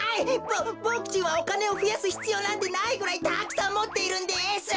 ボボクちんはおかねをふやすひつようなんてないぐらいたくさんもっているんです！